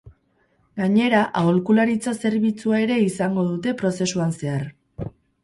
Gainera, aholkularitza zerbitzua ere izango dute prozesuan zehar.